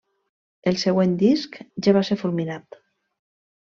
El següent disc ja va ser fulminat.